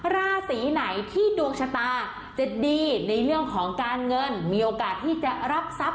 ราศีไหนที่ดวงชะตาจะดีในเรื่องของการเงินมีโอกาสที่จะรับทรัพย